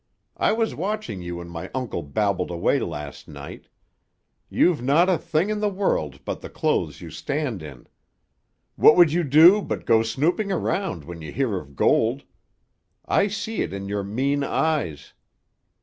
I was watching you when my uncle babbled away last night. You've naught a thing in the world but the clothes you stand in. What would you do but go snooping around when you hear of gold? I see it in your mean eyes.